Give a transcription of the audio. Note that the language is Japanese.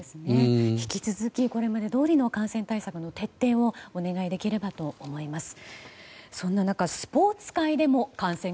引き続きこれまでどおりの感染対策の徹底をお願いできればと思います。